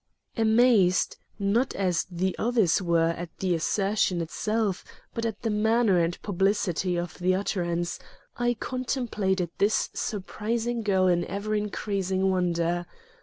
Amazed, not as others were, at the assertion itself, but at the manner and publicity of the utterance, I contemplated this surprising girl in ever increasing wonder.